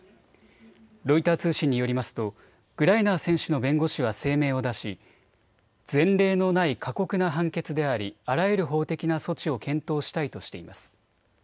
ロイター通信によりますとグライナー選手の弁護士は声明を出し前例のない過酷な判決でありあらゆる法的な措置を検討したいとしています。